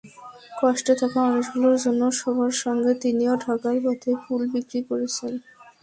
কষ্টে থাকা মানুষগুলোর জন্য সবার সঙ্গে তিনিও ঢাকার পথে ফুল বিক্রি করেছেন।